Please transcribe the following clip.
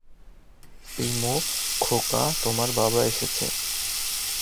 প্রিমো, খোকা, তোমার বাবা এসেছে!